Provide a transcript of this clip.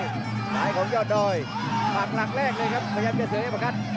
ผู้ดีฝ่ายของยอดดอยฝั่งหลักแรกเลยครับพยายามเกือบเสือเอ๊ะปะครับ